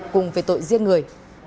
cùng về tội giết người